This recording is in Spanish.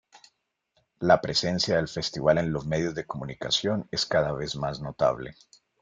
La presencia del festival en los medios de comunicación es cada vez más notable.